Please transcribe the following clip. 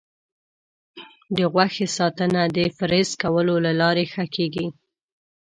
د غوښې ساتنه د فریز کولو له لارې ښه کېږي.